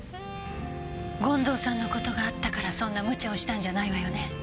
権藤さんの事があったからそんなムチャをしたんじゃないわよね？